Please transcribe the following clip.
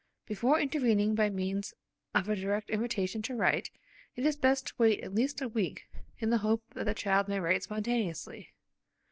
Before intervening by means of a direct invitation to write, it is best to wait at least a week in the hope that the child may write spontaneously.